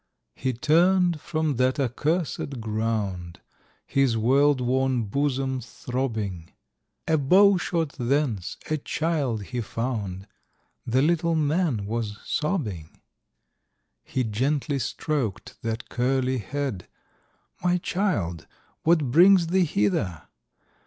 He turn'd from that accursèd ground, His world worn bosom throbbing; A bow shot thence a child he found,— The little man was sobbing. He gently stroked that curly head,— "My child, what brings thee hither?